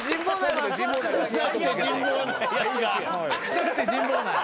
臭くて人望ない。